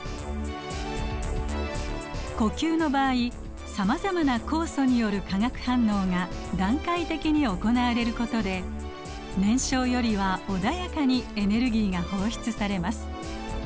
呼吸の場合さまざまな酵素による化学反応が段階的に行われることで燃焼よりは穏やかにエネルギーが放出されます。